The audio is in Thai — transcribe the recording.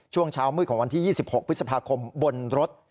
ช่วงเช้ามืดของวันที่๒๖พฤษภาคมบนรถ